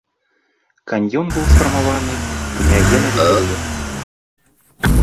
Каньён быў сфармаваны ў неагенавых перыяд.